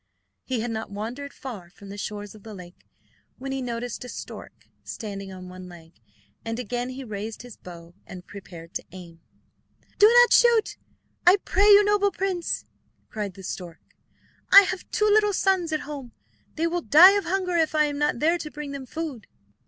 He had not wandered far from the shores of the lake, when he noticed a stork standing on one leg, and again he raised his bow and prepared to take aim. "Do not shoot, I pray you, noble prince," cried the stork; "I have two little sons at home; they will die of hunger if I am not there to bring them food."